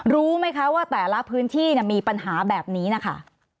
รู้ไหมคะว่าแต่ละพื้นที่มีปัญหาแบบนี้นะคะ